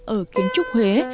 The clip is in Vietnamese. ở kiến trúc huế